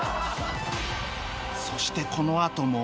そしてこのあとも